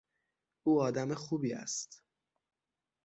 او آدم خوبی است.